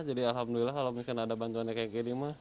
jadi alhamdulillah kalau misalnya ada bantuannya kayak gini mah